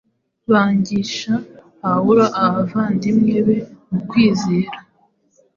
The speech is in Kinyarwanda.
bangisha Pawulo abavandimwe be mu kwizera